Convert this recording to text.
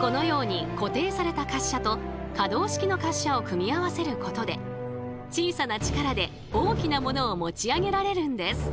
このように固定された滑車と可動式の滑車を組み合わせることで小さな力で大きなものを持ち上げられるんです。